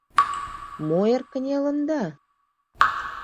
— Мо эр кынелында?